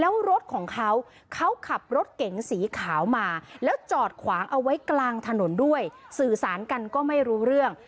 แล้วรถของเขาเขาขับรถเก๋งสีขาวมาแล้วจอดขวางเอาไว้กลางถนนด้วยสื่อสารกันก็ไม่รู้เรื่อง